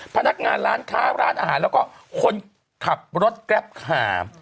พนักงานร้านค้าร้านอาหารแล้วก็คนขับรถแกรปคา